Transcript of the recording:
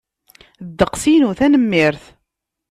Ddeqs-inu, tanemmirt.